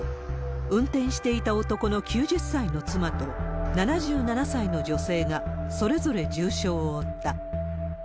運転していた男の９０歳の妻と、７７歳の女性がそれぞれ重傷を負った。